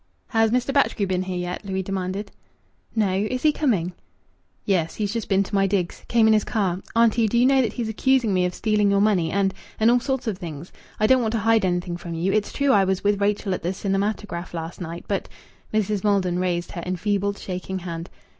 "Has Mr. Batchgrew been here yet?" Louis demanded. "No. Is he coming?" "Yes, he's just been to my digs. Came in his car. Auntie, do you know that he's accusing me of stealing your money and and all sorts of things! I don't want to hide anything from you. It's true I was with Rachel at the cinematograph last night, but " Mrs. Maldon raised her enfeebled, shaking hand.